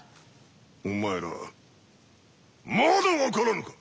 お前らまだ分からぬか！